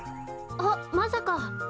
あっまさか！？